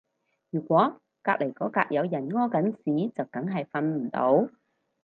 如果隔離嗰格有人屙緊屎就梗係瞓唔到